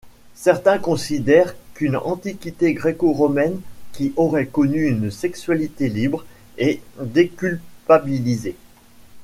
Certains considèrent qu'une Antiquité gréco-romaine qui aurait connu une sexualité libre et déculpabilisée.